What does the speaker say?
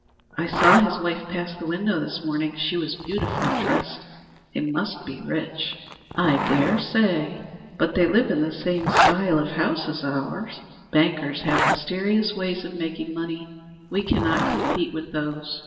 "I saw his wife pass the window this morning. She was beautifully dressed. They must be rich." "I dare say." "But they live in the same style of house as ours." "Bankers have mysterious ways of making money. We cannot compete with those."